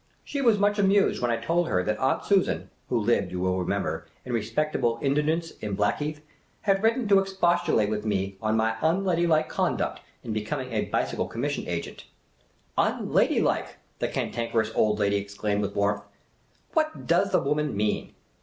She was much amused when I told her that Aunt Susan (who lived, you will remember, in respectable in digence at Blackheath) had written to expostulate with me on my " unladylike" conduct in becoming a bicycle com mission agent. '' Unladylike !'' the Cantankerous Old Lady exclaimed, with warmth. " What does the woman mean